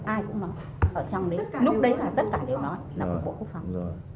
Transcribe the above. ai cũng nói ở trong đấy lúc đấy là tất cả đều nói là của bộ quốc phòng